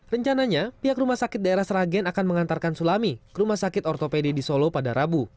rencananya pihak rumah sakit daerah seragen akan mengantarkan sulami ke rumah sakit ortopedi di solo pada rabu